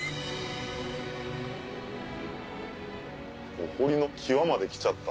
お堀の際まで来ちゃった。